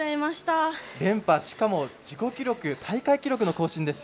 連覇、しかも自己記録大会記録の更新です。